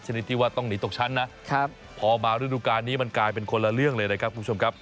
นิดที่ว่าต้องหนีตกชั้นนะพอมาฤดูการนี้มันกลายเป็นคนละเรื่องเลยนะครับคุณผู้ชมครับ